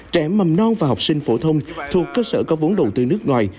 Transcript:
trẻ mầm non và học sinh phổ thông thuộc cơ sở có vốn đầu tư nước ngoài